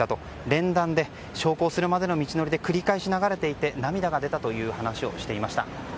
連弾で焼香するまでの道のりで繰り返し流れていて涙が出たという話をしていました。